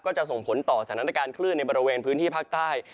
จะส่งผลต่อสถานการณ์คลื่นในบริเวณพื้นที่ภาคใต้